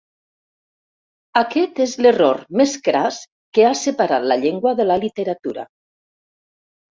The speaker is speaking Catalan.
Aquest és l'error més cras que ha separat la llengua de la literatura.